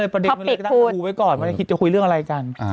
พอปิกพูดไว้ก่อนไม่ได้คิดจะคุยเรื่องอะไรกัน